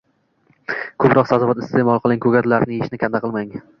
Ko‘proq sabzavot iste’mol qiling, ko‘katlarni yeyishni kanda qilmang